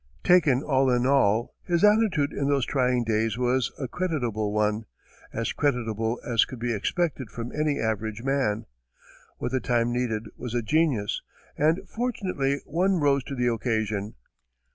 Taken all in all, his attitude in those trying days was a creditable one as creditable as could be expected from any average man. What the time needed was a genius, and fortunately one rose to the occasion.